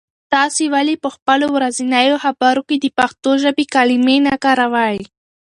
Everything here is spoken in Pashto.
تاسې ولې په خپلو ورځنیو خبرو کې د پښتو ژبې کلمې نه کاروئ؟